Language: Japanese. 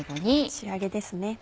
仕上げですね。